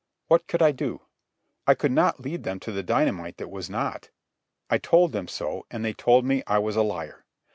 What could I do? I could not lead them to the dynamite that was not. I told them so, and they told me I was a liar.